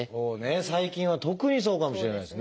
最近は特にそうかもしれないですね。